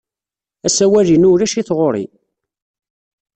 Asawal-inu ulac-it ɣer-i.